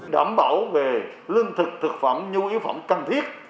đảm bảo về lương thực thực phẩm nhu yếu phẩm cần thiết